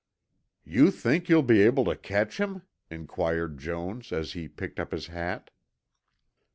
"You think you'll be able to catch him?" inquired Jones, as he picked up his hat.